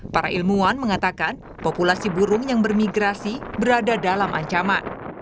para ilmuwan mengatakan populasi burung yang bermigrasi berada dalam ancaman